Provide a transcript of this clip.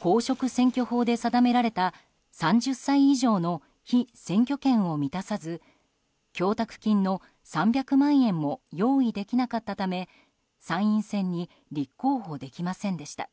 公職選挙法で定められた３０歳以上の被選挙権を満たさず供託金の３００万円も用意できなかったため参院選に立候補できませんでした。